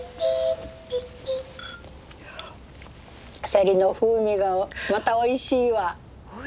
セリの風味がまたおいしいわ！